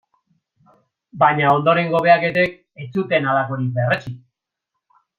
Baina, ondorengo behaketek, ez zuten halakorik berretsi.